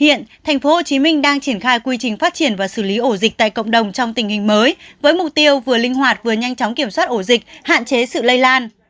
hiện tp hcm đang triển khai quy trình phát triển và xử lý ổ dịch tại cộng đồng trong tình hình mới với mục tiêu vừa linh hoạt vừa nhanh chóng kiểm soát ổ dịch hạn chế sự lây lan